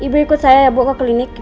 perasaanku gak enak